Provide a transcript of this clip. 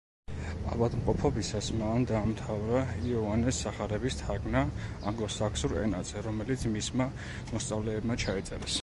ავადმყოფობისას მან დაამთავრა იოანეს სახარების თარგმნა ანგლოსაქსონურ ენაზე, რომელიც მისმა მოსწავლეებმა ჩაიწერეს.